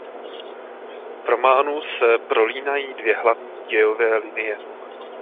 V románu se prolínají dvě hlavní dějové linie.